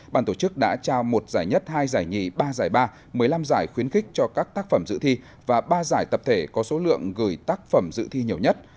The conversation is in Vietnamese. bàn tổ chức đã trao một giải nhất hai giải nhì ba giải ba một mươi năm giải khuyến khích cho các tác phẩm dự thi và ba giải tập thể có số lượng gửi tác phẩm dự thi nhiều nhất